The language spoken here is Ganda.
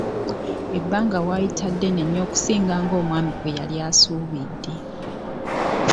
Ebbanga lyayita ddene nnyo okusinga ng'omwami bwe yali asuubidde.